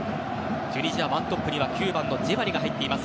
チュニジアは１トップに９番、ジェバリが入っています。